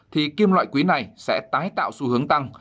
thì kim loại quý này sẽ tái tạo xu hướng tăng